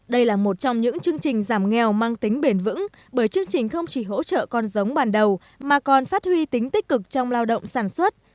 đây là một trong những chương trình giảm nghèo mang tính bền vững bởi chương trình không chỉ hỗ trợ con giống ban đầu mà còn phát huy tính tích cực trong lao động sản xuất